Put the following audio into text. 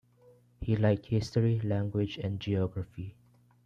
He liked history, language and geography.